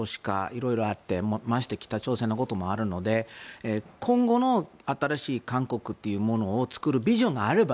色々あってましてや北朝鮮のこともあるので今後の新しい韓国というものを作るビジョンがあれば